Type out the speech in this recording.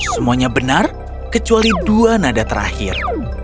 semuanya benar kecuali dua nada terakhir